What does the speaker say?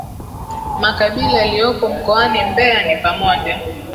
Makabila yaliyopo mkoani mbeya ni pamoja